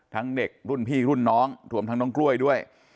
เด็กรุ่นพี่รุ่นน้องรวมทั้งน้องกล้วยด้วย